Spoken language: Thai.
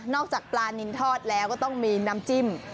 จากปลานินทอดแล้วก็ต้องมีน้ำจิ้ม